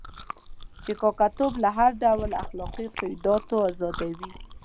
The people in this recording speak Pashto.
چې کاکه توب له هر ډول اخلاقي قیوداتو آزادوي.